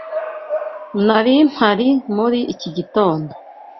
Nari mpari muri iki gitondo.